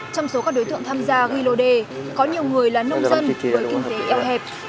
trong số các đối tượng tham gia ghi lô đề có nhiều người là nông dân với kinh tế eo hẹp